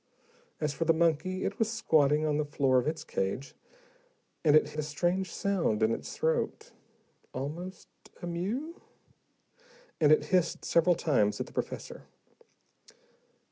As for the monkey, it was squatting on the floor of its cage, and it made a strange sound in its throat, almost a mew, and it hissed several times at the professor.